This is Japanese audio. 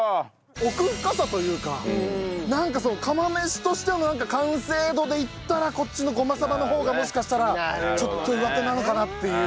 奥深さというかなんかその釜飯としての完成度で言ったらこっちのごまさばの方がもしかしたらちょっと上手なのかなっていう。